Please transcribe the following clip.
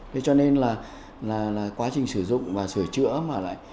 thế cho nên là quá trình sử dụng và sửa chữa mà lại